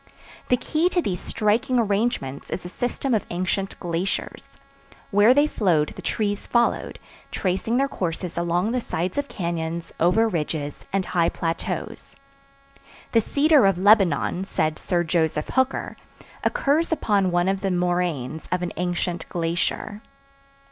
The key to these striking arrangements is the system of ancient glaciers; where they flowed the trees followed, tracing their courses along the sides of cañons, over ridges, and high plateaus. The cedar of Lebanon, said Sir Joseph Hooker, occurs upon one of the moraines of an ancient glacier.